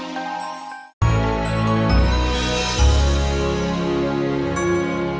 terima kasih banyak